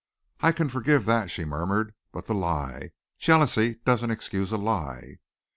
"I can forgive that," she murmured. "But the lie. Jealousy doesn't excuse a lie."